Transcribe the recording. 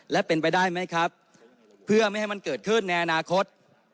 และเป็นไปได้ไหมครับเพื่อไม่ให้มันเกิดขึ้นในอนาคต